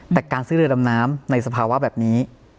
แต่การซื้อเรือดำน้ำในสภาวะแบบนี้